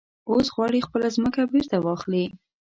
اوس غواړي خپله ځمکه بېرته واخلي.